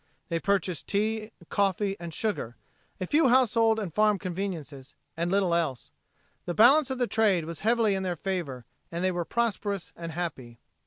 They purchased tea, coffee and sugar, a few household and farm conveniences, and little else. The balance of the trade was heavily in their favor and they were prosperous and happy.